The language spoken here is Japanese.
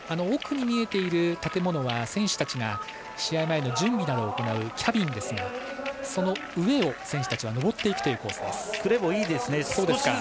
奥に見えている建物は選手たちが試合前の準備を行うキャビンですがその上を選手たちは上っていくというコースです。